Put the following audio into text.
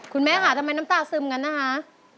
คุณแม่ค่ะทำไมน้ำตาซึมกันนะคะ